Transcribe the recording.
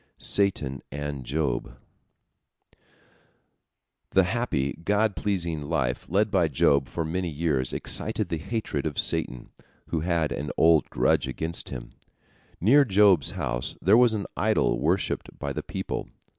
SATAN AND JOB The happy, God pleasing life led by Job for many years excited the hatred of Satan, who had an old grudge against him. Near Job's house there was an idol worshipped by the people.